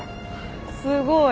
すごい。